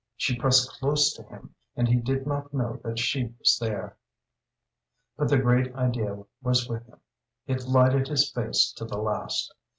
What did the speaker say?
She pressed close to him, and he did not know that she was there. But the great idea was with him. It lighted his face to the last.